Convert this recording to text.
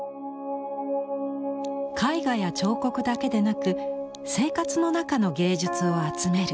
絵画や彫刻だけでなく「生活の中の芸術を集める」。